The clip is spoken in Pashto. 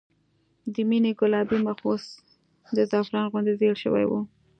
د مينې ګلابي مخ اوس د زعفران غوندې زېړ شوی و